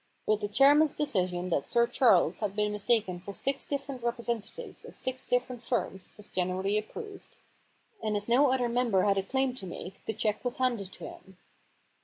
But the chairman's decision that Sir Charles had been mistaken for six different representatives of six different firms was generally approved. And as no other member had a claim to make the cheque was handed to him.